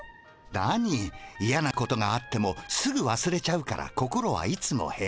なにイヤなことがあってもすぐわすれちゃうから心はいつも平和。